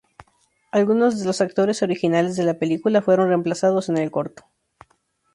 Algunos de los actores originales de la película fueron reemplazados en el corto.